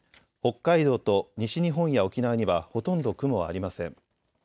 北海道と西日本や沖縄にはほとんど雲はありません。